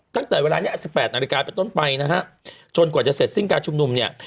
ตั้งแต่เวลานี้๑๘นาฬิกาเป็นต้นไปนะฮะจนกว่าจะเสร็จสิ้นการชุมนุมเนี่ย